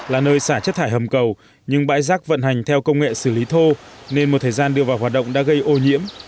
là nơi xả chất thải hầm cầu nhưng bãi rác vận hành theo công nghệ xử lý thô nên một thời gian đưa vào hoạt động đã gây ô nhiễm